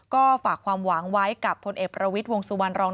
ก็ฝากความหวังไว้กับพลเอกประวิทย์วงสุวรรณรอง